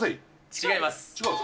違います。